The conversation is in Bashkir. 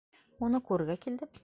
Уны күрергә килдем.